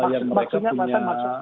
yang mereka punya